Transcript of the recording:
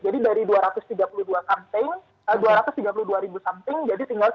jadi dari dua ratus tiga puluh dua something jadi tinggal sepuluh